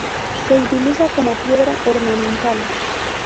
Se utiliza como piedra ornamental.